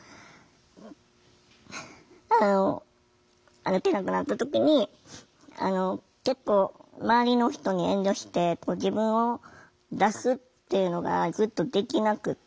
歩けなくなった時に結構周りの人に遠慮して自分を出すっていうのがずっとできなくって。